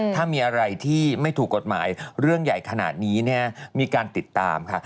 ถ้ามีอะไรที่ไม่ถูกกฎหมายเรื่องใหญ่ขนาดนี้เนี่ยมีการติดตามค่ะ